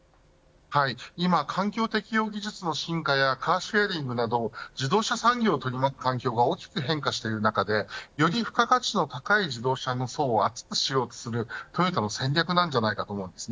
今、環境適用技術の進化やカーシェアリングなど自動車産業を取り巻く環境が大きく変化している中でより付加価値の高い自動車の層を厚くしようとするトヨタの戦略なんじゃないかと思います。